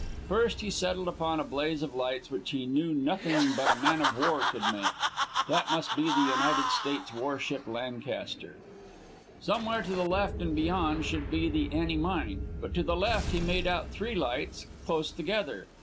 First, he settled upon a blaze of lights which he knew nothing but a man of war could make. That must be the United States war ship Lancaster. Somewhere to the left and beyond should be the Annie Mine. But to the left he made out three lights close together.